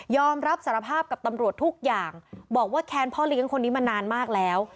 รับสารภาพกับตำรวจทุกอย่างบอกว่าแค้นพ่อเลี้ยงคนนี้มานานมากแล้ว